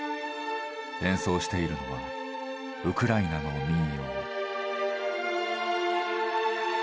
演奏しているのはウクライナの民謡。